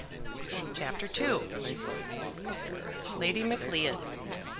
CHAPTER II. Lady Macleod.